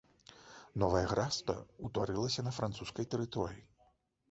Новае графства ўтварылася на французскай тэрыторыі.